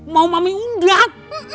mau mami undang